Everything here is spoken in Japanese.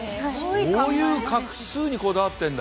そういう画数にこだわってんだ。